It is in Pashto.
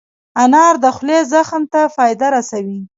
انار د خولې زخم ته فایده رسوي.